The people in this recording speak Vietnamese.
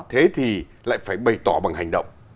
thế thì lại phải bày tỏ bằng hành động